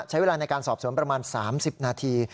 ใช้เวลาในการสอบสวนประมาณ๓๐นาที